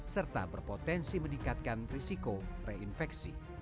serta berpotensi meningkatkan risiko reinfeksi